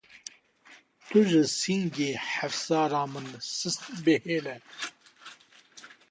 Tu jî singê hefsare min sist bihêle.